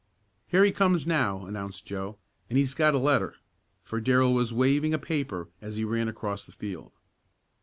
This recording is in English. "Here he comes now," announced Joe, "and he's got a letter," for Darrell was waving a paper as he ran across the field.